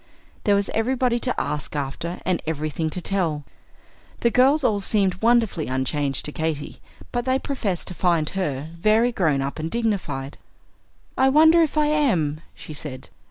There was everybody to ask after, and everything to tell. The girls all seemed wonderfully unchanged to Katy, but they professed to find her very grown up and dignified. "I wonder if I am," she said.